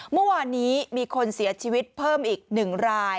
เมื่อวานนี้มีคนเสียชีวิตเพิ่มอีก๑ราย